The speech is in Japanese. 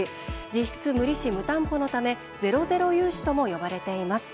実質無利子・無担保のためゼロゼロ融資とも呼ばれています。